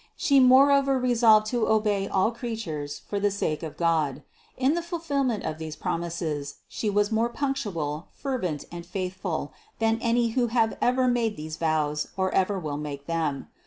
She moreover resolved to obey all creatures for the sake of God. In the fulfillment of these promises She was more punctual, fervent and faithful than any who have ever made these vows or ever will make them.